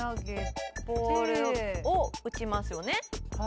ボールを打ちますよね。